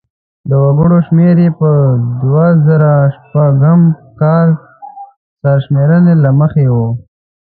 د وګړو شمېر یې په دوه زره شپږم کال سرشمېرنې له مخې و.